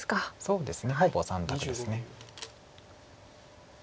そうですねほぼ３択です。